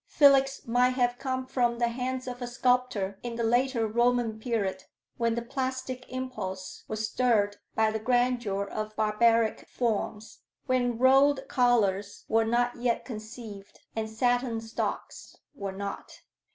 Felix might have come from the hands of a sculptor in the later Roman period, when the plastic impulse was stirred by the grandeur of barbaric forms when rolled collars were not yet conceived, and satin stocks were not.